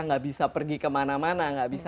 tidak bisa pergi kemana mana tidak bisa